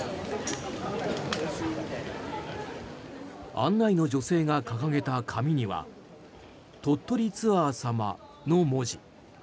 案内の女性が掲げた紙には鳥取ツアー様の文字。